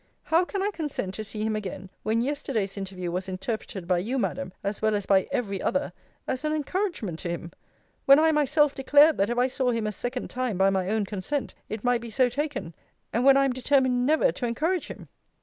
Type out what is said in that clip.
How can I consent to see him again, when yesterday's interview was interpreted by you, Madam, as well as by every other, as an encouragement to him? when I myself declared, that if I saw him a second time by my own consent, it might be so taken? and when I am determined never to encourage him?